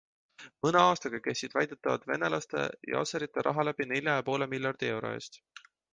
Mõne aastaga käis siit väidetavalt venelaste ja aserite raha läbi nelja ja poole miljardi euro eest.